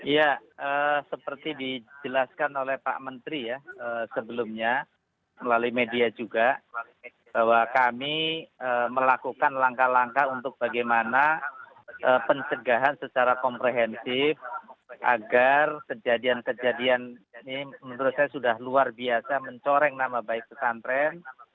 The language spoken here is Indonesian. ya seperti dijelaskan oleh pak menteri ya sebelumnya melalui media juga bahwa kami melakukan langkah langkah untuk bagaimana pencegahan secara komprehensif agar kejadian kejadian ini menurut saya sudah luar biasa mencoreng nama baik pesantren